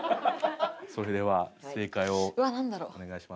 それでは正解をお願いします。